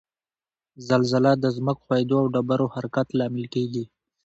زلزله د ځمک ښویدو او ډبرو حرکت لامل کیږي